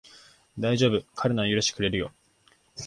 だいじょうぶ、彼なら許してくれるよ